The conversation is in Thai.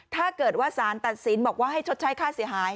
ถ้าเกิดว่าสารตัดสินบอกว่าให้ชดใช้ค่าเสียหาย